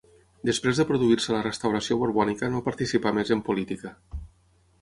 Després de produir-se la restauració borbònica no participà més en política.